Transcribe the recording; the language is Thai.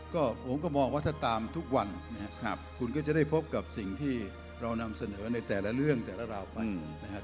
ก็ผมก็มองว่าถ้าตามทุกวันนะครับคุณก็จะได้พบกับสิ่งที่เรานำเสนอในแต่ละเรื่องแต่ละราวไปนะครับ